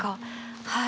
はい。